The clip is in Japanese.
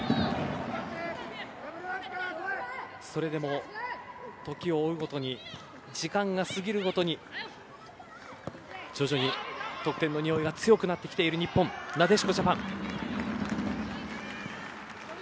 それでも、時を追うごとに時間が過ぎるごとに徐々に得点のにおいが強くなっている日本なでしこジャパン。